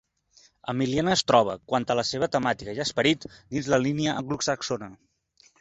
Emiliana es troba, quant a la seva temàtica i esperit, dins la línia anglosaxona.